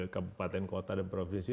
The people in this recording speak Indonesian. kabupaten kota dan provinsi